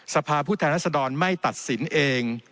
สภาพผู้แทนรัศดรไม่ตัดสินเอง